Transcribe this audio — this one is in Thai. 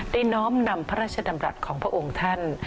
น้อมนำพระราชดำรัฐของพระองค์ท่าน